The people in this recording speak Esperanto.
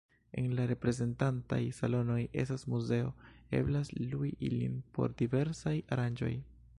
En la reprezentantaj salonoj estas muzeo; eblas lui ilin por diversaj aranĝoj.